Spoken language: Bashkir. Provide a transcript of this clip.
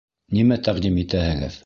Нимә тәҡдим итәһегеҙ?